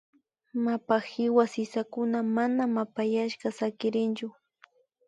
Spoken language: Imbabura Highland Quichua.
Mapa hiwa sisakuna mana mapayashka sakirichun